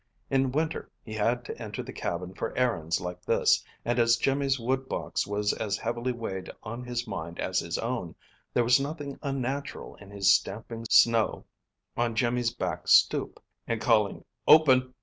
In winter he had to enter the cabin for errands like this, and as Jimmy's wood box was as heavily weighted on his mind as his own, there was nothing unnatural in his stamping snow on Jimmy's back stoop, and calling "Open!"